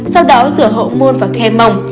sau đó rửa hậu môn và khe mỏng